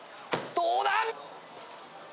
どうだ！？